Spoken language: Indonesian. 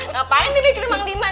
ngapain dibikirin mang diman